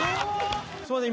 すいません